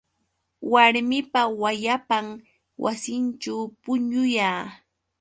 Warmipa wayapan wasinćhu puñuya.